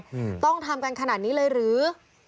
อืมต้องทำกันขนาดนี้เลยหรือ